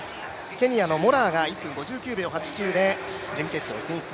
ケニアのモラアが１分５９秒８９で準決勝進出。